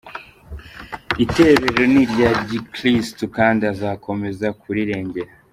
Itorero ni irya Kristo Kandi Azakomeza kurirengera.